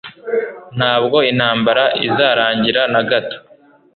Ntabwo intambara izarangira nagato